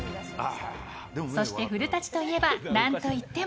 そして古舘といえば何といっても。